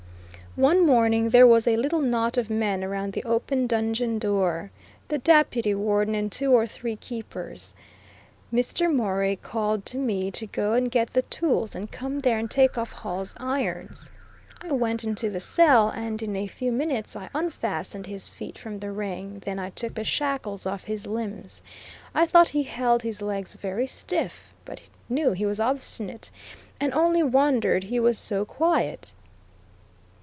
One morning there was a little knot of men around the open dungeon door, the Deputy Warden and two or three keepers. Mr. Morey called to me to go and get the tools and come there and take off Hall's irons. I went into the cell and in a few minutes I unfastened his feet from the ring; then I took the shackles off his limbs. I thought he held his legs very stiff, but knew he was obstinate, and only wondered he was so quiet.